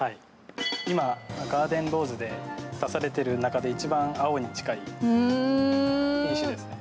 今、ガーデンローズで出されている中で一番青に近い品種ですね。